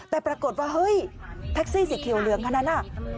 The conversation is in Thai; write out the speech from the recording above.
แต่ปรากฏว่าเฮ้ยแท็กซี่สีเขียวเหลืองคนนั้นน่ะ